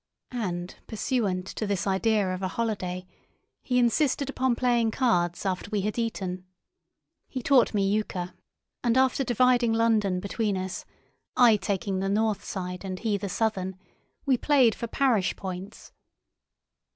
And pursuant to this idea of a holiday, he insisted upon playing cards after we had eaten. He taught me euchre, and after dividing London between us, I taking the northern side and he the southern, we played for parish points.